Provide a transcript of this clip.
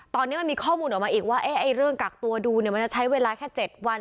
ตอนนี้มันมีข้อมูลออกมาอีกว่าเอ๊ะไอ้เรื่องกักตัวดูเนี้ยมันจะใช้เวลาแค่เจ็ดวัน